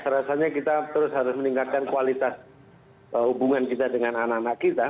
rasanya kita terus harus meningkatkan kualitas hubungan kita dengan anak anak kita